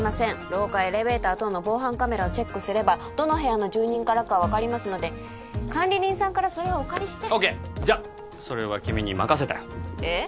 廊下エレベーター等の防犯カメラをチェックすればどの部屋の住人からか分かりますので管理人さんからそれをお借りしてＯＫじゃあそれは君に任せたえっ？